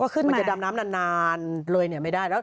มันจะดำน้ำนานเลยไม่ได้แล้ว